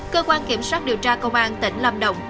cơ quan kiểm soát điều tra công an tỉnh lâm đồng